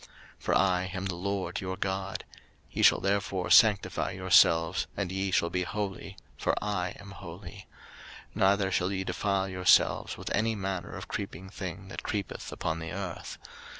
03:011:044 For I am the LORD your God: ye shall therefore sanctify yourselves, and ye shall be holy; for I am holy: neither shall ye defile yourselves with any manner of creeping thing that creepeth upon the earth.